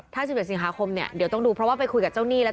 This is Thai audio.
ถ้า๑๑สิงหาคมเนี่ยเดี๋ยวต้องดูเพราะว่าไปคุยกับเจ้าหนี้แล้ว